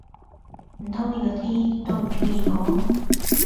唔通連個天都唔鐘意我？